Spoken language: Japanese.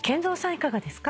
いかがですか？